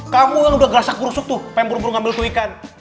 kamu yang udah grasak gurusuk tuh pengen buru buru ngambil tuh ikan